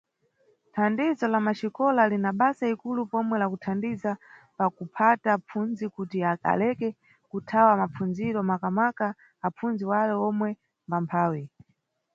Thandizo la Maxikola lina basa likulu pomwe la kuthandiza pa kuphata apfundzi kuti aleke kuthaya mapfundziro, makamaka apfundzi wale omwe mbamphawi.